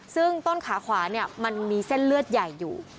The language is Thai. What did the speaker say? ซึ่งต้นขาขวาเนี่ยมันมีเส้นเลือดใหญ่อยู่